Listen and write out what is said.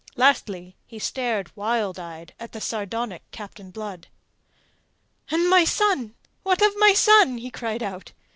Lastly, he stared wild eyed at the sardonic Captain Blood. "And my son? What of my son?" he cried out.